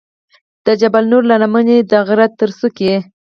د جبل نور له لمنې د غره تر څوکې.